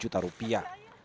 sekitar rp lima puluh juta